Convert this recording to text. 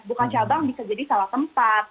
bukan cabang bisa jadi salah tempat